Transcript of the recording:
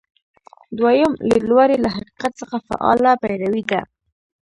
دویم لیدلوری له حقیقت څخه فعاله پیروي ده.